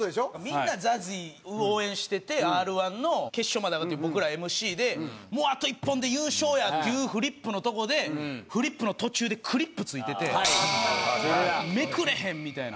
みんなＺＡＺＹを応援しててＲ−１の決勝まで上がって僕らＭＣであと一本で優勝やっていうフリップのとこでフリップの途中でクリップ付いててめくれへん！みたいな。